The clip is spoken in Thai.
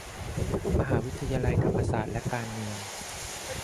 มหาวิทยาลัยวิชาธรรมศาสตร์และการเมือง